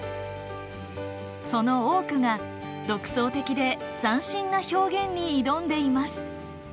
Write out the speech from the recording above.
その多くが独創的で斬新な表現に挑んでいます。